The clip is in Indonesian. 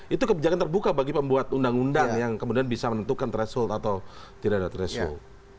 itu kebijakan terbuka bagi pembuat undang undang yang kemudian bisa menentukan threshold atau tidak ada threshold